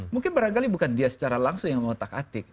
mungkin barangkali bukan dia secara langsung yang mewotak hatik